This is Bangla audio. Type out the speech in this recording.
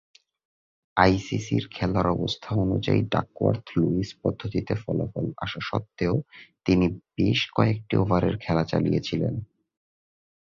আইসিসি’র খেলার অবস্থা অনুযায়ী ডাকওয়ার্থ-লুইস পদ্ধতিতে ফলাফল আসা স্বত্ত্বেও তিনি বেশ কয়েকটি ওভারের খেলা চালিয়েছিলেন।